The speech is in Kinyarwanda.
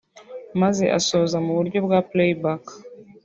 maze asoza mu buryo bwa playback